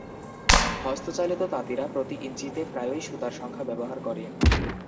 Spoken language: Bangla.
হস্তচালিত তাঁতিরা প্রতি ইঞ্চিতে প্রায়ই সুতার সংখ্যা ব্যবহার করে।